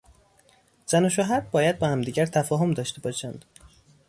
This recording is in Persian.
زن و شوهر باید با همدیگر تفاهم داشته باشند.